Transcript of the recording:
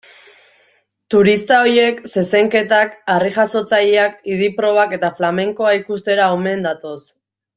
Turista horiek zezenketak, harri-jasotzaileak, idi-probak eta flamenkoa ikustera omen datoz.